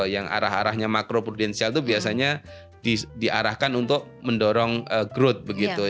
yang arah arahnya makro prudensial itu biasanya diarahkan untuk mendorong growth begitu